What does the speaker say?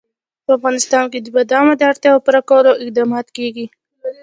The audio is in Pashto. په افغانستان کې د بادامو د اړتیاوو پوره کولو اقدامات کېږي.